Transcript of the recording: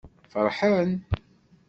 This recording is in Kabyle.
Feṛḥen.